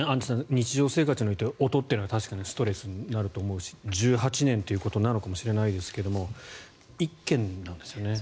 日常生活において音というのは確かにストレスになると思うし１８年ということなのかもしれないですけど１軒なんですよね。